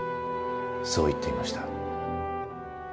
そう言っていました。